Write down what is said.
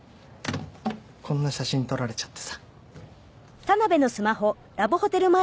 こんな写真撮られちゃってさ。